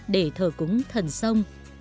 để thờ cúng thần sông